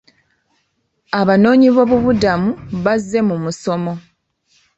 Abanoonyiboobubudamu bazze mu musomo.